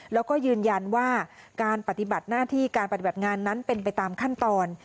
แล้วก็ยืนยันว่าการปฏิบัติหน้าที่การปฏิบัติงานนั้นเป็นไปตามขั้นตอน